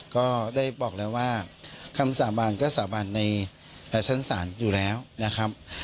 ก็ได้บอกแล้วว่าคำสาบานก็สาบานในชั้นศาลอยู่แล้วนะครับ